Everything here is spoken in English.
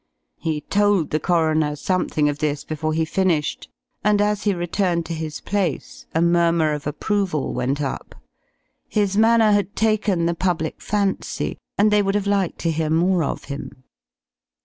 He told the coroner something of this before he finished, and as he returned to his place a murmur of approval went up. His manner had taken the public fancy, and they would have liked to hear more of him.